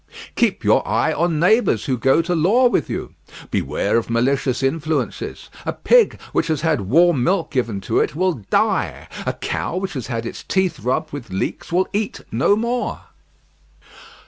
"Keep your eye on neighbours who go to law with you. Beware of malicious influences. A pig which has had warm milk given to it will die. A cow which has had its teeth rubbed with leeks will eat no more."